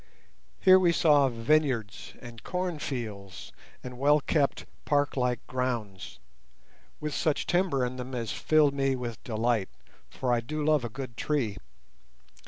Here we saw vineyards and corn fields and well kept park like grounds, with such timber in them as filled me with delight, for I do love a good tree.